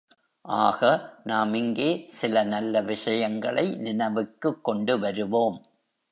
ஆக, நாம் இங்கே சில நல்ல விஷயங்களை நினைவுக்குக் கொண்டு வருவோம்.